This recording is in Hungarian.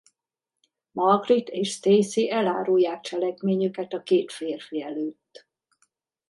Margaret és Stacy elárulják cselekményüket a két férfi előtt.